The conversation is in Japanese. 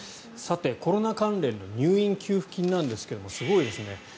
コロナ関連の入院給付金なんですがすごいですね。